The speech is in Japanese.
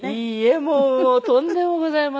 もうとんでもございません。